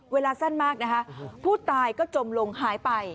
เวลาสั้นมากนะคะผู้ตายก็จมลงหายไป